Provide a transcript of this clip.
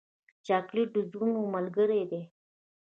چاکلېټ د زړونو ملګری دی.